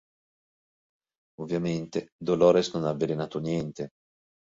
Ovviamente, Dolores non ha avvelenato niente.